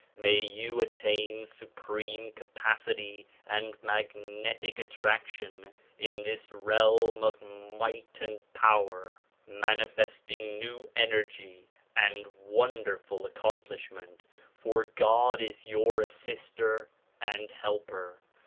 May you attain supreme capacity and magnetic attraction in this realm of might and power, — manifesting new energy and 18 THE PROMULGATION OF UNIVERSAL PEACE wonderful accomplishment, for God is your assister and helper.